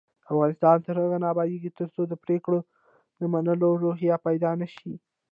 افغانستان تر هغو نه ابادیږي، ترڅو د پریکړو د منلو روحیه پیدا نشي.